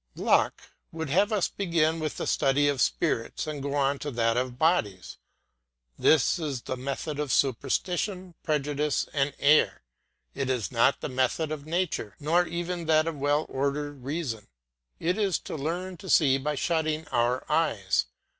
Locke would have us begin with the study of spirits and go on to that of bodies. This is the method of superstition, prejudice, and error; it is not the method of nature, nor even that of well ordered reason; it is to learn to see by shutting our eyes.